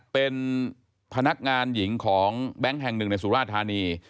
เป็นพนักงานหญิงของแบงค์แห่งหนึ่งในสุราธานี